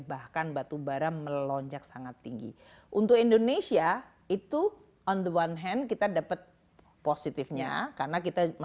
bahkan batu bara melonjak sangat tinggi untuk indonesia itu on the one hand kita dapat positifnya